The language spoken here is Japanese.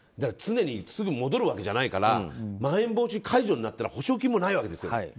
常にすぐ戻るわけじゃないからまん延防止解除になったら補償金もないわけですよ。